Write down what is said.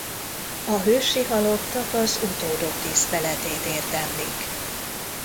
A hősi halottak az utódok tiszteletét érdemlik.